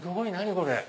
これ。